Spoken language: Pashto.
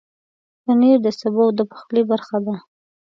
پنېر د سبو د پخلي برخه ده.